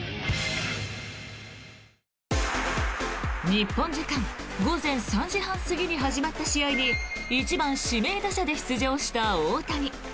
日本時間午前３時半過ぎに始まった試合に１番指名打者で出場した大谷。